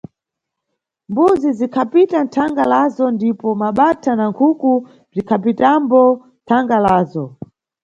Mbuzi zikhapita nʼthanga lazo ndipo mabatha na nkhuku bzikhapitambo nʼthanga lazo.